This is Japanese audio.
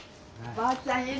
ばあちゃんいる？